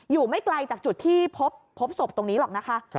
ไม่ไกลจากจุดที่พบศพตรงนี้หรอกนะคะ